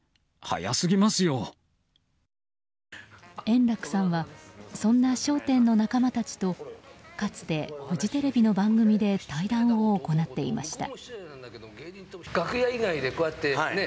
円楽さんはそんな「笑点」の仲間たちとかつてフジテレビの番組で対談を行っていました。